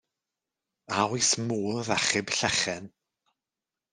A oes modd achub Llechen?